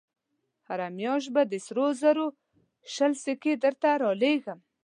هره مياشت به د سرو زرو شل سيکې درته رالېږم.